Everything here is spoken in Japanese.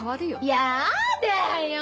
やだよ！